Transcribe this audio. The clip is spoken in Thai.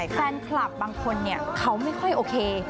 แฟนคลับบางคนเขาไม่ค่อยโอเค